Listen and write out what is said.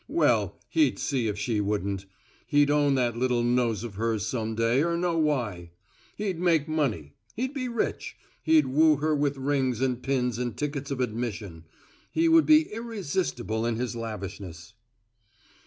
Well, he'd see if she wouldn't. He'd own that little nose of hers some day or know why. He'd make money, he'd be rich, he'd woo her with rings and pins and tickets of admission. He would be irresistible in his lavishness.